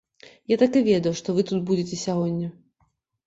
Я так і ведаў, што вы тут будзеце сягоння.